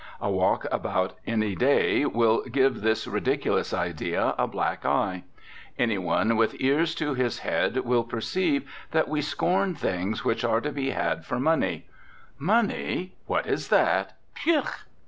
A walk about any day will give this ridiculous idea a black eye. Any one with ears to his head will perceive that we scorn things which are to be had for money. Money! What is that? Phew!